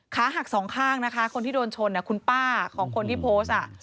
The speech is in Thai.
ขาหักสองข้างนะคะคนที่โดนชนคุณป้าของคนที่โพสต์